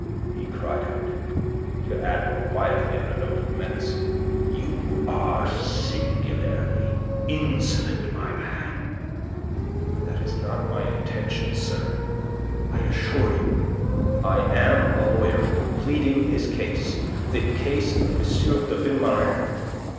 he cried out, to add more quietly, on a note of menace, "You are singularly insolent, my man." "That is not my intention, sir, I assure you. I am a lawyer, pleading a case the case of M. de Vilmorin.